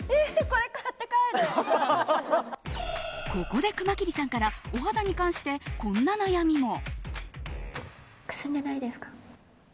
ここで熊切さんからお肌に関してこんな悩みも。